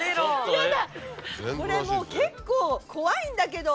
ヤダこれもう結構怖いんだけど。